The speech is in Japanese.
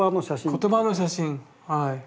言葉の写真はい。